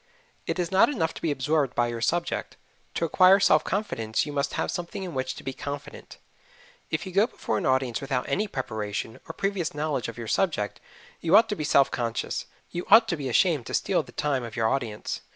It is not enough to be absorbed by your subject to acquire self confidence you must have something in which to be confident. If you go before an audience without any preparation, or previous knowledge of your subject, you ought to be self conscious you ought to be ashamed to steal the time of your audience.